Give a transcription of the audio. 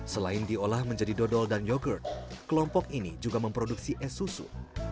selain diolah menjadi dodol dan yogurt kelompok ini juga memproduksi es susu